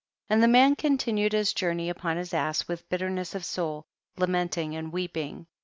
42. And the man continued his journey upon his ass with bitterness of soul, lamenting and weeping.